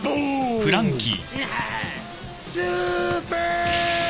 フランキー！